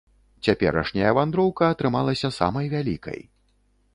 Цяперашняя вандроўка атрымалася самай вялікай.